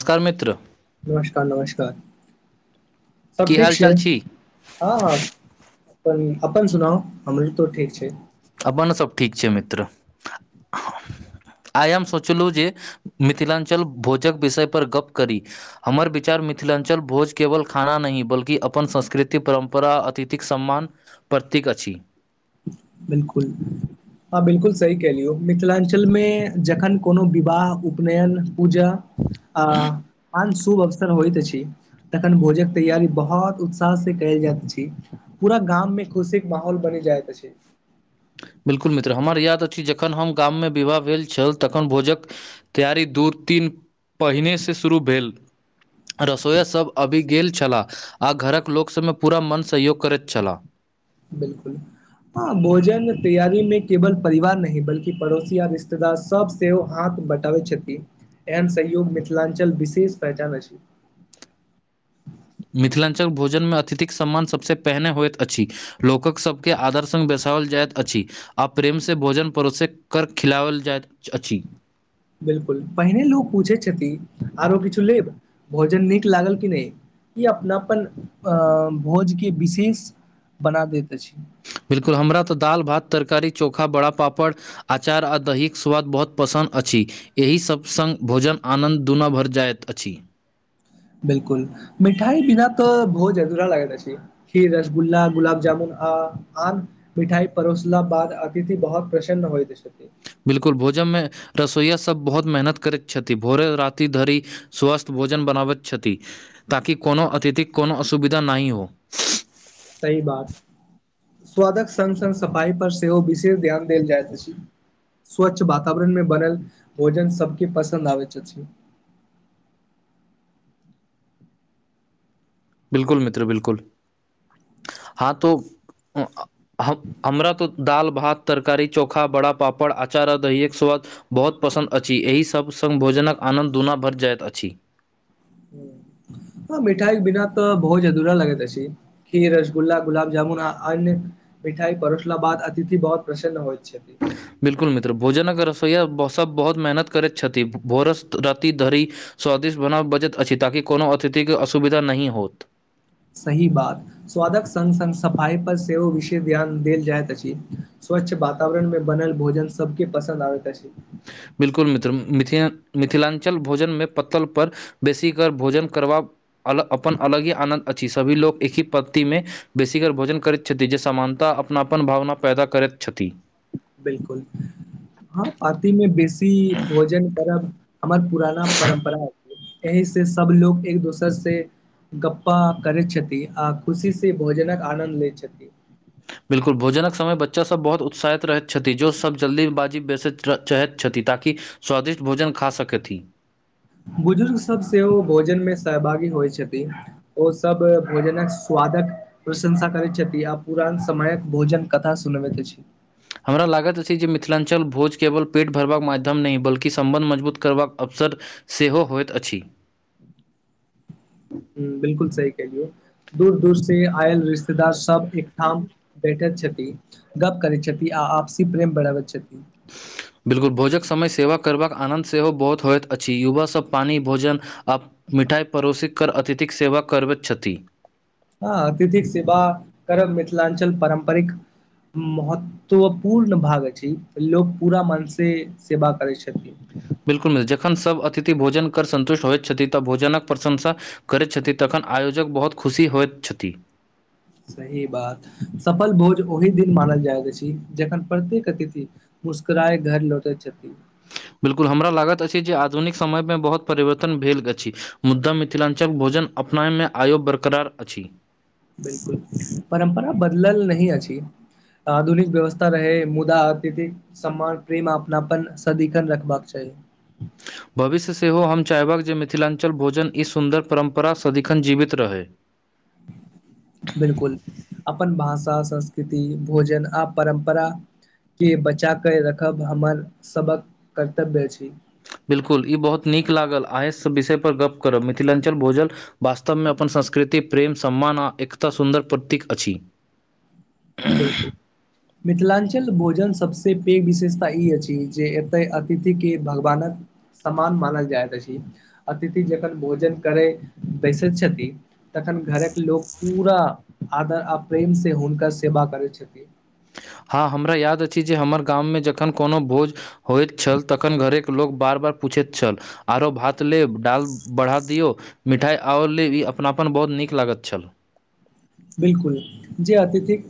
सकार मित्र नमस्कार नमस्कार सब की ठीक हाल छियै चाल छी हँ हँ अपन अपन सुनाउ हमरो तो ठीक छै अपन सभ ठीक छै मित्र आय हम सोचलहु जे मिथिलांचल भोजक विषय पर गप करी हमर विचार मिथिलांचल भोज केवल खाना नहि बल्कि अपन संस्कृति परम्परा अतिथिक सम्मान प्रतीक अछि बिलकुल हँ बिलकुल सही केहलियौ मिथिलांचल मे जखन कोनो विवाह उपनयन पूजा आ पान सुभ होइत अछि तखन भोजक तैयारी बहोत उत्साह से कयल जाइत अछि पूरा गाम मे खुशीक माहौल बनी जायत अछि बिलकुल मित्र हमर याद अछि जखन हम गाम मे विवाह भेल छल तखन भोजक तैयारी दू तीन पहिनेसँ शुरू भेल रसोया सभ आबि गेल छलाह आ घरक लोक सभ मे पूरा मन सहयोग करति छलाह बिलकुल हँ भोजन तैयारी मे केवल परिवार न बल्कि पड़ोसी आ रिश्तेदार सब सेहो हाथ बँटाबै छथि एहन सहयोग मिथिलांचल विशेष पहचान अछि मिथिलांचल भोजन मे अतिथिक सम्मान सभसँ पहिने होइत अछि लोकक सब के आदर सङ्ग बसाओल जाइत अछि आ प्रेम से भोजन परोसे कर खिलाओल जाइत अछि बिल्कुल पहिने लोक पूछैत छथिन आरो किछ लेब भोजन नीक लागल कि नै ई अपनापन अ भोज के विशेष बना दैत अछि बिल्कुल हमरा तऽ दालत भात तरकारी चोखा बड़ा पापड़ अचार आ दही कऽ स्वाद बहुत पसन्द अछि एहि सभ संग भोजन आनन्द दुना भरि जाइत अछि बिल्कुल मिठाई बिना तऽ भोज अधुरा लागैत अछि खीर रसगुल्ला गुलाबजामुन आ आन मिठाइ परोसला बाद अतिथि बहुत प्रसन्न होइ छथि बिल्कुल भोजनमे रसोइया सब बहुत मेहनत करैत छथिन भोरे राति धरि स्वस्थ्य भोजन बनाबैत छथि ताकि कोनो अतिथिक कोनो असुविधा नहि हो सही बात स्वादक संग संग सफाई पर सेहो विशेष ध्यान देल जाइत अछि स्वच्छ वातावरण में बनल भोजन सब केँ पसन्द आबैत छथि बिल्कुल मित्र बिलकुल [inaudible] हँ तो हमरा तऽ दाल भात तरकारी चोखा बड़ा पापड़ अचार आ दहिये एक स्वाद बहुत पसन्द अछि एहि सभ संग भोजनक आनन्द दुना बढ़ जाइत अछि हँ मिठाई बिना तऽ भोज अधूरा लगैत अछि खीर रसगुल्ला गुलाबजामुन ह अन मिठाइ परोसला बाद अतिथि बहुत प्रसन्न होइ छ्थै बिल्कुल मित्र भोजनक रसोइया सब बहुत मेहनत करैत छथि भोरस राति धरि स्वादिष्ट बनाब बचत अछि ताकि कोनो अतिथिके असुविधा नहि होत सही बात स्वादक स स सफाई पर सेहो विषय ध्यान देल जायत अछि स्वच्छ वातावरण में बनल भोजन सब केँ पसन्द आबे छै बिल्कुल मित्र [unintelligible] मिथिलांचल भोजन मे पत्तल पर बेसी कर भोजन करबा अपन अलग ही आनन्द अछि सभी लोको एक ही पत्तति मे बेसीगर भोजन करैत छथि जे समानता अपनापन भावना पैदा करैत छथि बिल्कुल हँ पातीमे बेसी भोजन करब हमर पुराना परम्परा एहि से सब लोग एक दोसर से गप्पा करे छथि आ खुशी से भोजन आनन्द लय छथि बिल्कुल भोजनक समय बच्चाभ बहुत उत्साहित रहैत छथि जो सब जल्दीबाजी बेसैत [unintelligible] चाहैत छथि ताकि स्वादिष्ट भोजन खा सकथि बुजुर्गसभ सेहो भोजनमे सहभागी होइत छथिन ओ सब भोजन कऽ स्वादक प्रशंसा करैत छथि आ पुरान समयक भोजन कथा सुनबैत अछि हमरा लागैत अछि जे मिथिलांचल भोज केवल पेट भरबाक माध्यम नै बल्कि संबंध मजबूत करबाक अवसर सेहो होइत अछि हु बिल्कुल सी कहिलियौ दूर दूर से आयल रिश्तेदार सब एकठाम बैठल छथिन गप करै छथिन आ आपसी प्रेम बढ़ाबैत छथिन बिल्कुल भोजक समय सेवा करबाक आनन्द सेहो बहुत होइत अछि युवा सभ पानी भोजन आ मिठाइ पड़ोसीक कर अतिथिक सेवा करबैत छथि हँ अतिथिक सेवा करब मिथिलांचल पारम्परिक महत्व तऽ ओ पूर्ण भाग छै लोकोग पूरा मन से सेवा करै छथिन बिल्कुल मित्र जखन सभ अतिथि भोजन कर सन्तुष्ट होइत छथिन तऽ भोजनक प्रशंसा करैत छैथ तखन आयोजक बहुत खुश होइत छथि सही बात सफल भोज ओहिी दिन मानल जाइत अछि जखन प्रत्येक अतिथि मुस्कराए घर लौटे छैथि बिल्कुल हमरा लागैत अछि जे आधुनिक समयमे बहुत परिवर्तन भेल अछि मुद्दा मिथिलाञ्चल भोजन अपनाय बैमे आईयौ बरकरार अछि परम्परा बदलल नहिअछि आधुनिक व्यवस्था रहै तमुदा आतीथि सम्मान प्रेम अपनापन सदिखन रखबाक चाही भविष्यमे सेहो हम चाहबक जे मिथिलाञ्चल भोजन ई सुन्दर परम्परा सदिखन जीवित रहै बिलकुल अपन भाषा संस्कृति भोजन आ परम्परा ई बचाकऽ राखब हमर सभक कर्तव्य अछि बिल्कुल ई बहुत नीक लागल आय सब विषय पर गप्प करब मिथिलाञ्चल भोजन वास्तवमे अपन संस्कृति प्रेम सम्मान आ एकता सुन्दर प्रतीक अछि बिलकुल मिथिलाञ्चल भोजन सभसँ पैघ विशेषता अछि जे एतय अतिथिके भगवानक समान मानल जाइत अछि अतिथि जखन भोजन करै बैसैत छथि तखन घरक लोक पूरा आदर आ प्रेम स हुनकर नकरसेवा करैत छथिन हँ हमरा याद अछि जे हमरा गाममे जखन कोनो भोज होइत छल तखन घरेके लोक बार बार पूछैत छल आरो भात लेब डाल बढ़ा दियौ मिठाइ आओर लेअपनापन बहुत नीक लागैत छल बिलकुल जी अतिथििक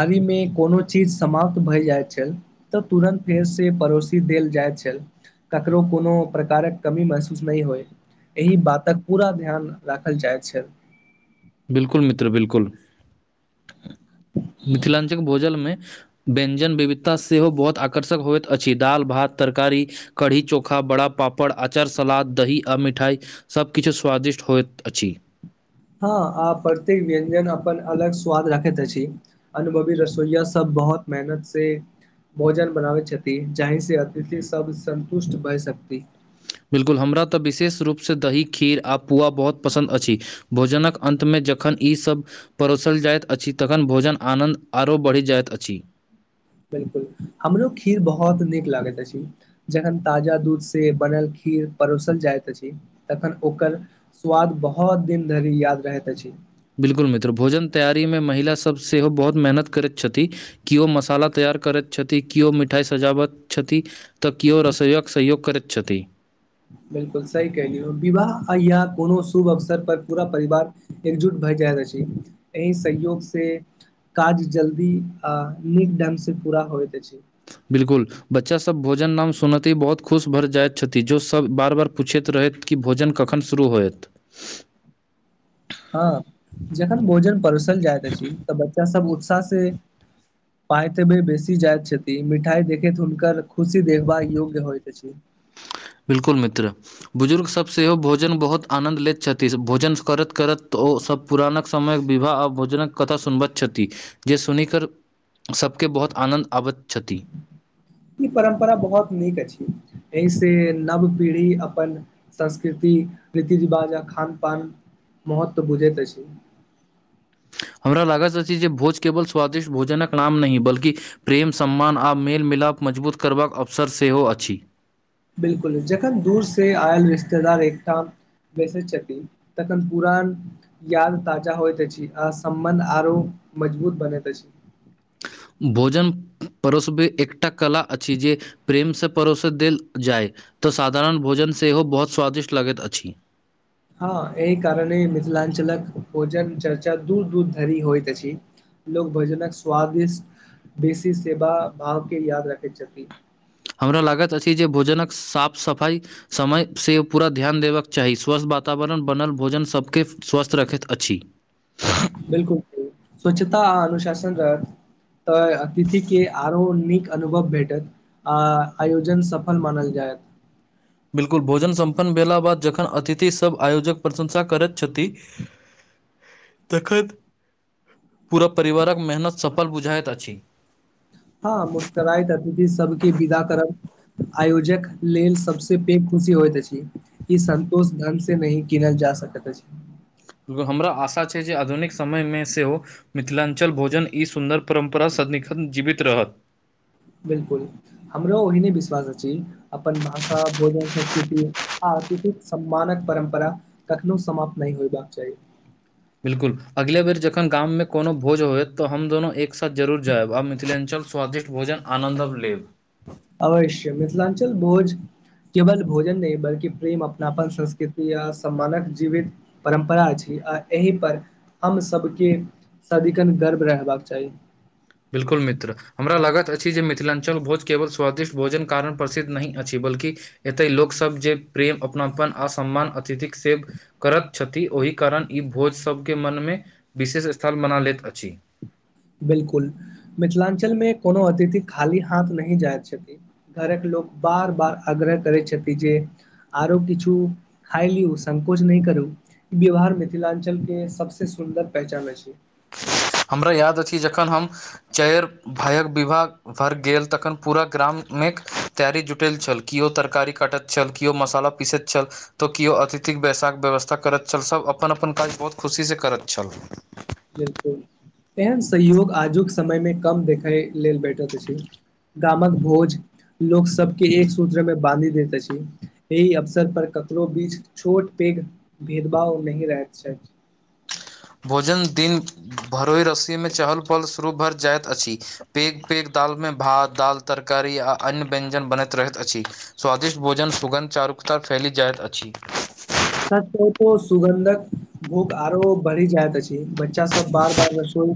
आहिमे कोनो चीज समाप्त भए जाइत छल तऽ तुरन्त फेर से पड़ोसीके देल जाइत छल ककरो कोनो प्रकारक कमी महसूस नहि होइत एहि बातक पूरा ध्यान राखल जायत छल बिलकुल मित्र बिलकुल मिथिलाञ्चल भोजलमे। व्यञ्जनक विविध आता सेहो बहुत आकर्षक होइत अछि दाल भात आतरकारी। कढ़ी चोखा बड़ा पापड़ अचार सलाद दही आ मिठाई। सभकिछु स्वादिष्ट होइत अछि। हँ आ प्रत्येक व्यञ्जन अपन अलग स्वाद राखैत अछि। अनुभवी रसोइया सब बहुत मेहनत से भोजन बनाबै यछथि जहि से अतिथि सब संन्तुष्ट भए जायंत छथि बिल्कुल हमरा त विशेष रूप सँ दही खीर आ पुआ बहुत पसन्द अछि भोजनक अन्तमे जखन ईसभ परोसल जाइत अछि तखन भोजन आनन्द आरो बढ़ि जाइत अछि बिलकुल हमरो खीर बहुत नीक लागैत अछि जखन ताजा दूध सँ बनल खीर परोसल जाइत अछि तखन ओकर स्वाद बहुत दिन धरि याद रहैत अछि बिल्कुल मित्र भोजनक तैकयारीमे महिला सभ सेहो बहुत मेहनत करैत छथि कियो मसाला तैयार करै छथि कियो मिठाई सजाबैत छथिन तऽ किियओ रसोईयक सहयोग करैत छथि बिलकुल सही कहलियैह विवाह या कोनो शुभ अवसर पर पूरा परिवार एकजुट भए जाइत अछि एहि सहयोगसँ काज जल्दी आ नीक ढंगसँ पूरा होइत अछि बिल्कुल बच्चा सभ भोजन नाम सुनैते बहुत खुश भऽ जाइत छथि जो सभ बार बार पूछेत रहथि कि भोजन कखन शुरू होयत [inaudible] ह जखन भोजन परोसल जाइत अछि तऽ बच्चा सभ उत्साह से पाईत मे बेसी जाइत छथि मिठाई देखैत हुनकर खुशी देखबा योग्य होइत अछि। बिल्कुल मित्र। बुजुर्ग सभ सेहो भोजन बहुत आनन्द लेत छथि भोजन करत-करत ओ सभ पुरानक समय विवाह भोजनक कथा सुनबैत छथि जे सुनि क सभ के बहुत आनन्द आबैत छथि इ परम्परा बहुत नीक अछि, एहि स नव पीढ़ी अपन संस्कृति, रीति-रिवाज़ खान-पानक महत्व बुझैत छथिन हमरा लागत अछि ज भोज केवल स्वादिष्ट भोजनक नाम नहि बल्कि प्रेम, सम्मान आ मेल-मिलाप मजबूत करबाकऽ अवसर सेहो अछि। बिल्कूल, जखन दूर सँ आयल रिश्तेदार एकठाम बेसैत छथिन तखन पुरान याद ताजा होइत अछि आ सम्बन्ध आरो मजबूत बनेत अछि। भोजन परोसबे एकटा कला अछि ज प्रेम से परोसे देल जाय त साधारण भोजन सेहो बहुत स्वादिष्ट लगैत अछि। ह, एहि कारण मिथिलाञ्चलक भोजन चर्चा दूर-दूर धरि होइत अछि। लोक भजनकऽ स्वादिष्ट बेसी सेवा भाव के याद रखैत छथिन। हमरा लागैत अछि जे भोजनकऽ साफ-सफाई समय सँ पूरा ध्यान देबाक चाही, स्वस्थ वातावरण बनल भोजन सभके स्वस्थ रखैत अछि। बिल्कूल स्वच्छता आ अनुशासन रह त अतिथि के आरो नीक अनुभव भेटत आ आयोजन सफल मानल जायत। बिल्कूल भोजन सम्पन्न भेला बाद जखन अतिथि सभ आयोजक प्रशंसा करैत छथि तखैत पूरा परिवारकऽ मेहनत सफल बुझाइत अछि। ह, मुस्कराइत अतिथि सभके विदा करब आयोजक लेलऽ सभसे पेइघ खुशी होइत अछि इ। ई संतोष ढंग से नै किनल जा सकैत अछि। एहि बेर हमरा आशा छै जे आधुनिक समयमे सेहो मिथिलांचल भोजन ई सुन्दर परम्परा सदिखन जीवित रहत बिल्कूल हमरो ओहिने विश्वास अछि अपन भाषा भोजन संस्कृति अतिथि कऽ सम्मानक परम्परा कखनो समाप्त नै होयबाक चाही। बिल्कुल अगिले बेर जखन गाम मे कोनो भोज होयत तऽ हम दुनु एक साथ जरूर जायब आब मिथिलांचल स्वादिष्ट भोजन आनंद हम लेब। अवश्य मिथिलांचल भोज। केवल भोजन नहि बल्कि प्रेम अपनापन संस्कृति या सम्मानक जीवित परम्परा अछि आ एहि पर हम सभके सदिखन गर्व रहबाक चाही बिल्कूल मित्र हमरा लागत अछि जे मिथिलांचल भोज केवल स्वादिष्ट भोजनक कारण प्रसिद्ध नै अछि बल्कि। एतय लोकसभ जे प्रेम अपनापन आ सम्मान अतिथिक से करैत छैथि ओहि कारण ई भोज सभके मनमे विशेष स्थान बना लैत अछि। बिल्कूल मिथिलांचल मे कोनो अतिथि खाली हाथ नै जाय छथिन। घर कऽ लोक बार- बार आग्रह करैय छथि जे आरो किछु खाय लिउ संकोच नै करू। व्यहार मिथिलांचल के सबस सुन्दर पहचान छै हमरा याद अछि जखन हम चारि भायक विवाह भर गेल तखन पुरा ग्राम मे तैयारी जुटल छल किओ तरकारी काटत छल किओ मशाला पीसैत छल तऽ केओ अतिथिक बैसाक व्यवस्था करैत छल सब अपन अपन काज बहुत खुशी स करैत छल। [inaudible] बिलकुल एहन संयोग आजुक समयमे कम देखय लेल भेटैत अछि गामक भोज लोक सबके एक सूत्र मे बांधी देैत अछि। एहि अवसर पर ककरो बीच छोट पेइघ भेदभाव नै रहैय के चाही। भोजन दिन भरोइ रस्सीमे चहल -पहल शुरु भरि जाइत अछि। पैइघ पैइघ दलमे भात दालि तरकारी आ अन्य व्यंजन बनैत रहैत अछि। स्वादिष्ट भोजन सुगन्ध चारुकता फैइल जाइत अछि। सच कहि तऽ सुगन्धक भुख आरो बढ़ि जाइत अछि बच्चा सब बार -बार रसौ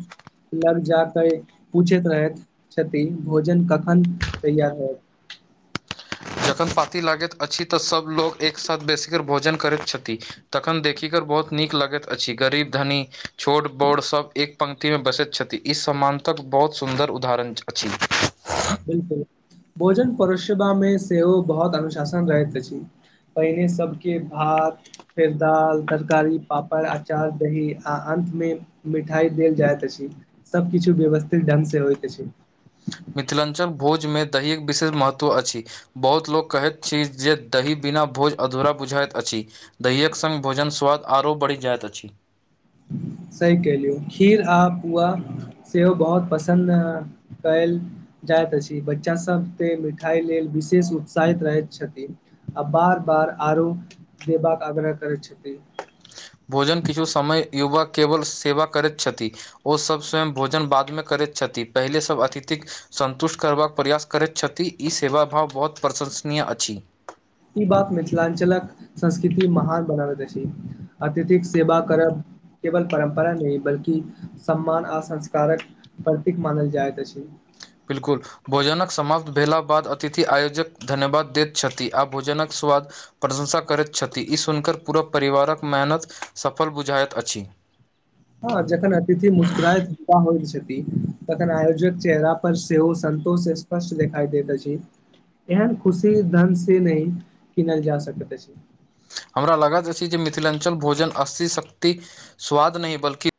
लग जा कऽ पुछैत रहैत छथिन भोजन कखन तैयार हैत जखन पाॅति लागैत अछि तऽ सब लोक एकसाथ बेसी कऽ भोजन करैत छथि। तखन देखिक बहुत नीक लगैत अछि गरीब धनी छोट बड़ सब एक पंक्तिमे बसैत छथि ई सामानतक बहुत सुन्दर उदाहरण अछि। बिलकुल भोजन परोसतामे सेहो बहुत अनुशासन रहैत अछि। पहिले सबके भात फेर दालि तरकारी पापड़ अचार दही आ अंतमे मिठाई देल जाइत अछि सबकछु व्यवस्थित ढंग से होइत अछि। मिथिलांचल भोजमे दहीके विशेष महत्व अछि। बहुत लोक कहैत छी जे दही बिना भोज अधुरा बुझाइत अछि। दहिएक संग भोजन स्वाद आरो बढ़ि जाइत अछि। सही कहलियौ खीर आ पुआ सेहो बहुत पसंद काइल जाइत अछि बच्चा सब तऽ मिठाई लेल विशेष उत्साहित रहैत छथिन। आ बार -बार आरो देबाक आग्रह करैत छथिन। भोजन किछु समय युवक केवल सेवा करैत छथिन। ओ सब स्वयं भोजन बादमे करैत छथि पहिले सब अतिथिक संतुष्ट करबाक प्रयास करैत छथि ई सेवा भाव बहुत प्रशंसनीय अछि। ई बात मिथिलाञ्चलक संस्कृति महान बनाबैत अछि अतिथिक सेवा करब केवल परम्परा नहि बल्कि सम्मान आ संस्कारक प्रतीक मानल जायत अछि बिल्कुल भोजनक समाप्त भेला बाद अतिथि आयोजक धन्यवाद दैत छथि आ भोजनक स्वाद प्रशंसा करैत छथि ई सुनिकऽ पूराब परिवारक मेहनत सफल बुझाइत अछि हँ जखन अतिथि मुस्कराए होइत छथि तखन आयोजक चेहरा पर सेहो संन्तोष स्पष्ट देखाई दैत अछि एहन खुशी धन से नहि किनल जा सकैत अछि हमरा लागैत अछि जे मिथिलाञ्चल भोजन असी शक्ति स्वाद नहि बल्कि